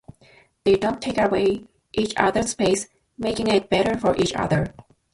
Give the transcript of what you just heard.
They don't take away each other's space, making it better for each other.